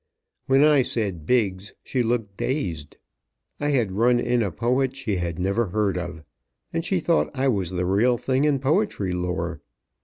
When I said Biggs, she looked dazed. I had run in a poet she had never heard of, and she thought I was the real thing in poetry lore.